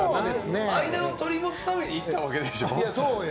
間を取り持つために行ったわけでしょう？